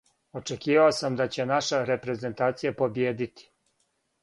Очекивао сам да ће наша репрезентација побиједити.